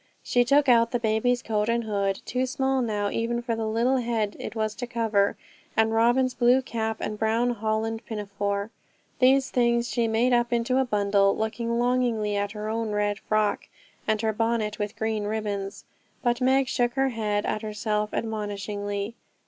She took out the baby's coat and hood, too small now even for the little head it was to cover, and Robin's blue cap and brown holland pinafore. These things she made up into a bundle, looking longingly at her own red frock, and her bonnet with green ribbons: but Meg shook her head at herself admonishingly.